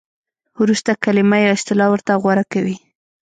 ورسته کلمه یا اصطلاح ورته غوره کوي.